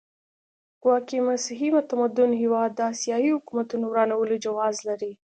ګواکې مسیحي متمدن هېواد د اسیایي حکومتونو ورانولو جواز لري.